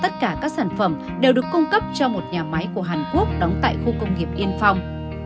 tất cả các sản phẩm đều được cung cấp cho một nhà máy của hàn quốc đóng tại khu công nghiệp yên phong